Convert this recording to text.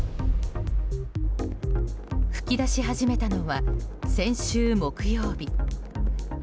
噴き出し始めたのは先週木曜日。